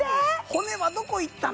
骨はどこいったの？